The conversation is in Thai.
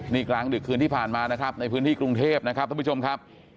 นี่กลางดึกคืนที่ผ่านมานะครับในพื้นที่กรุงเทพนะครับท่านผู้ชมครับ